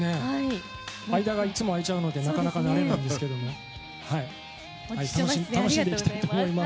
間がいつも空いちゃうのでなかなか慣れないですけど楽しんでいきたいと思います。